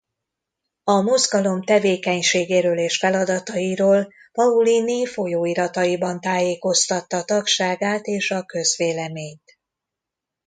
A mozgalom tevékenységéről és feladatairól Paulini folyóirataiban tájékoztatta tagságát és a közvéleményt.